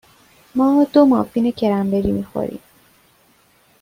ما دو مافین کرنبری می خوریم.